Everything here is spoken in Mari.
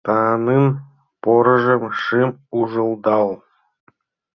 Таҥын порыжым шым ужылдал.